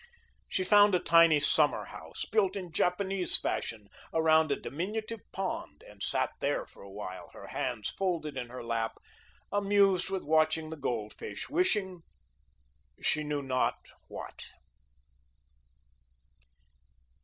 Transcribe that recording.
She found a tiny summer house, built in Japanese fashion, around a diminutive pond, and sat there for a while, her hands folded in her lap, amused with watching the goldfish, wishing she knew not what.